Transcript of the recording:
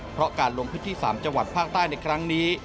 เพราะการลงพื้นที่๓จังหวัดภาคใต้ในครั้งนี้